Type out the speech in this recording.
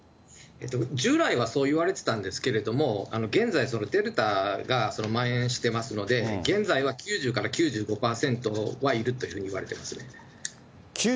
従来はそういわれてたんですけれども、現在、デルタがまん延してますので、現在は９０から９５％はいるというふうにいわれていますね。